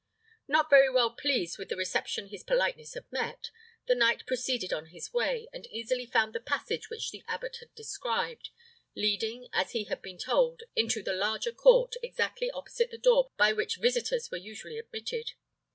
Not very well pleased with the reception his politeness had met, the knight proceeded on his way, and easily found the passage which the abbot had described, leading, as he had been told into the larger court, exactly opposite the door by which visitors were usually admitted.